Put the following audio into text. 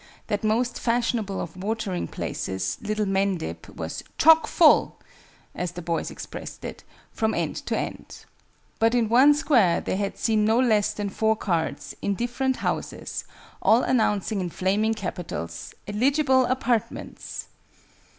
That most fashionable of watering places, Little Mendip, was "chockfull" (as the boys expressed it) from end to end. But in one Square they had seen no less than four cards, in different houses, all announcing in flaming capitals "ELIGIBLE APARTMENTS."